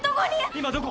今どこ？